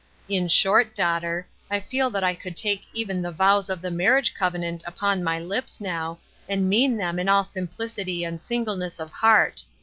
In short, daughter, I feel that I could take even the vows of the marriage covenant upon my lips now, and mean them in all simplicity and singleness of heart.